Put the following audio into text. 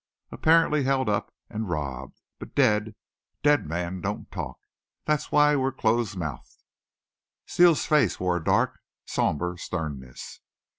Apparently held up an' robbed. But dead. Dead men don't talk. Thet's why we're close mouthed." Steele's face wore a dark, somber sternness.